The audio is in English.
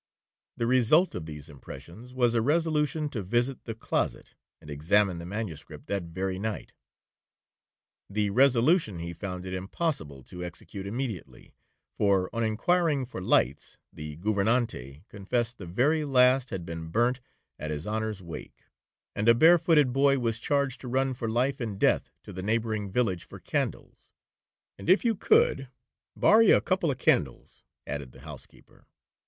The result of these impressions was, a resolution to visit the closet, and examine the manuscript that very night. This resolution he found it impossible to execute immediately, for, on inquiring for lights, the gouvernante confessed the very last had been burnt at his honor's wake; and a bare footed boy was charged to run for life and death to the neighbouring village for candles; and if you could borry a couple of candlesticks, added the housekeeper.